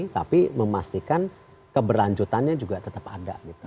tapi memastikan keberlanjutannya juga tetap ada